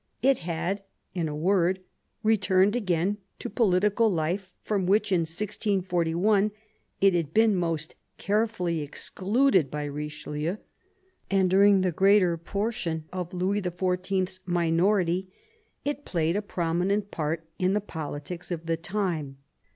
It had, in a word, returned again to political life, from which in 1641 it had been m©st carefully excluded by Richelieu ; and during the greater portion of Louis XIY.'s minority it played a prominent part in the politics of the time.